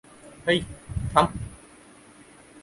হেই, থাম!